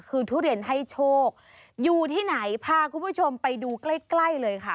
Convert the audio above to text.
คือทุเรียนให้โชคอยู่ที่ไหนพาคุณผู้ชมไปดูใกล้ใกล้เลยค่ะ